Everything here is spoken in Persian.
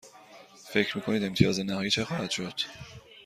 فکر می کنید امتیاز نهایی چه خواهد شد؟